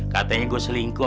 katanya gue selingkuh